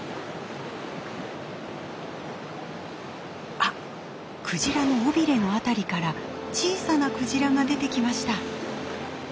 あっクジラの尾びれの辺りから小さなクジラが出てきました。